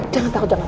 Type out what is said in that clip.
jangan takut jangan